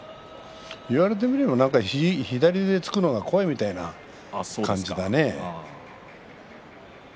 言われてみれば左腕を突くのが怖いみたいな感じだね。